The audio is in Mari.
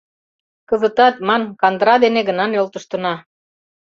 Кызытат, ман, кандыра дене гына нӧлтыштына.